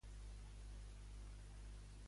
Què li passa al final a Catherine?